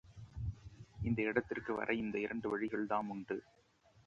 இந்த இடத்திற்கு வர இந்த இரண்டு வழிகள் தாம் உண்டு.